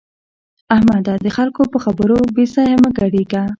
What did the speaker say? احمده! د خلګو په خبرو بې ځایه مه ګډېږه.